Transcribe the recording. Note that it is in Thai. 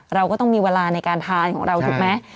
เราก็ต้องมีเวลาในการทานของเราถูกไหม